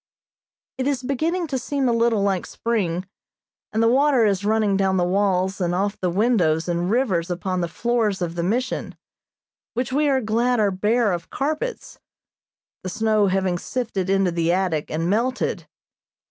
It is beginning to seem a little like spring, and the water is running down the walls and off the windows in rivers upon the floors of the Mission, which we are glad are bare of carpets; the snow having sifted into the attic and melted.